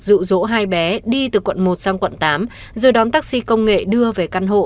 và dụ dỗ hai bé đi từ quận một sang quận tám rồi đón taxi công nghệ đưa về căn hộ